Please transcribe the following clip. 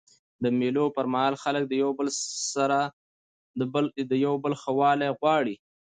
د مېلو پر مهال خلک د یو بل ښه والی غواړي.